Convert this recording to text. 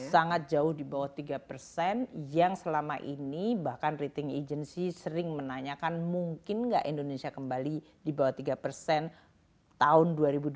sangat jauh di bawah tiga persen yang selama ini bahkan rating agency sering menanyakan mungkin nggak indonesia kembali di bawah tiga persen tahun dua ribu dua puluh